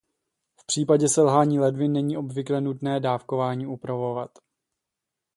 V případě selhání ledvin není obvykle nutné dávkování upravovat.